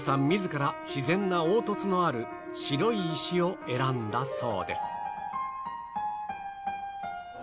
自ら自然な凹凸のある白い石を選んだそうです。